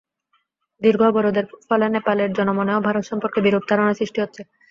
দীর্ঘ অবরোধের ফলে নেপালের জনমনেও ভারত সম্পর্কে বিরূপ ধারণা সৃষ্টি হচ্ছে।